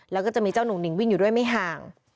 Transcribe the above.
แล้วก็จะมีเจ้าหุ่งหิ่งวิ่งอยู่ด้วยไม่ห่าง